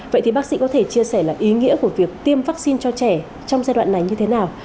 vậy thì bác sĩ có thể chia sẻ là ý nghĩa của việc tiêm vaccine cho trẻ trong giai đoạn này như thế nào